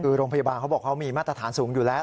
คือโรงพยาบาลเขาบอกเขามีมาตรฐานสูงอยู่แล้ว